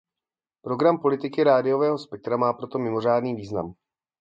Program politiky rádiového spektra má proto mimořádný význam.